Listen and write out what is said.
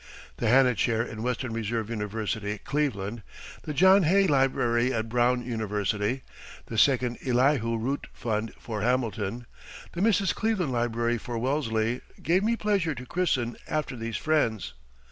The Hanna Chair in Western Reserve University, Cleveland; the John Hay Library at Brown University; the second Elihu Root Fund for Hamilton, the Mrs. Cleveland Library for Wellesley, gave me pleasure to christen after these friends.